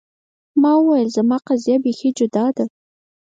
ما ویل زما قضیه بیخي جدا ده.